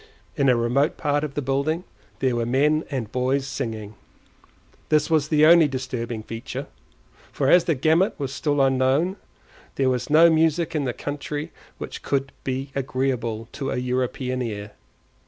In a remote part of the building there were men and boys singing; this was the only disturbing feature, for as the gamut was still unknown, there was no music in the country which could be agreeable to a European ear.